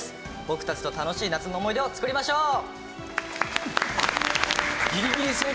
僕たちと楽しい夏の思い出を作りましょう！